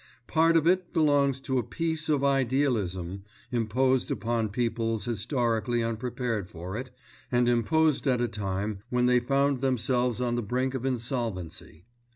Part of it belongs to a Peace of Idealism imposed upon peoples historically unprepared for it and imposed at a time when they found themselves on the brink of insolvency.